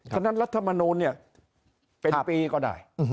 ฉะนั้นรัฐมนูลเนี่ยเป็นปีก็ได้